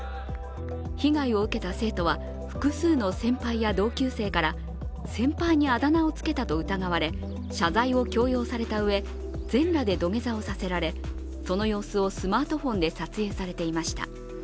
被害を受けた生徒は、複数の先輩や同級生から先輩にあだ名をつけたと疑われ謝罪を強要されたうえ全裸で土下座をさせられ、その様子をスマートファンで撮影されていました。